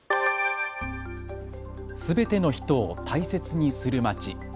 すべての人を大切にするまち。